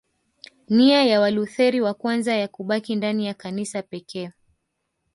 Nia ya Walutheri wa kwanza ya kubaki ndani ya Kanisa pekee